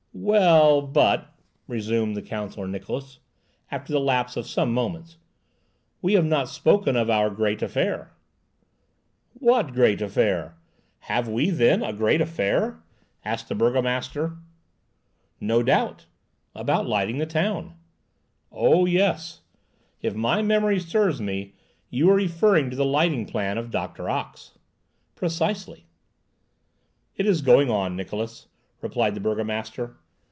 "Well, but," resumed the Counsellor Niklausse, after the lapse of some moments, "we have not spoken of our great affair!" "What great affair? Have we, then, a great affair?" asked the burgomaster. "No doubt. About lighting the town." "O yes. If my memory serves me, you are referring to the lighting plan of Doctor Ox." "Precisely." "It is going on, Niklausse," replied the burgomaster.